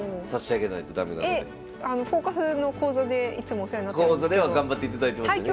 え「フォーカス」の講座でいつもお世話になってるんですけど。